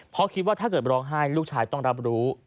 เพราะคิดว่าถ้าเกิดร้องไห้ลูกชายต้องรับรู้